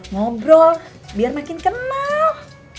ngobrol biar makin kenal